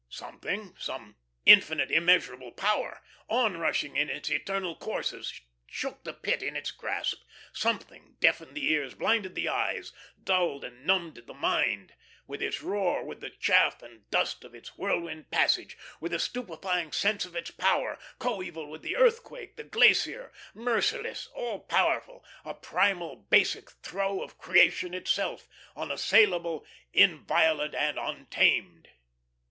Something, some infinite immeasurable power, onrushing in its eternal courses, shook the Pit in its grasp. Something deafened the ears, blinded the eyes, dulled and numbed the mind, with its roar, with the chaff and dust of its whirlwind passage, with the stupefying sense of its power, coeval with the earthquake and glacier, merciless, all powerful, a primal basic throe of creation itself, unassailable, inviolate, and untamed.